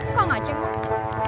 ih kang aceh mau